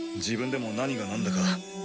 自分でも何がなんだか。